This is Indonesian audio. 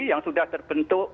yang sudah terbentuk